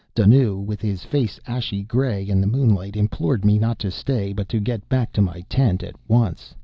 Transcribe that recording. Dunnoo, with his face ashy grey in the moonlight, implored me not to stay but to get back to my tent at once.